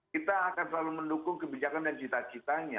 kita akan selalu mendukung kebijakan dan cita citanya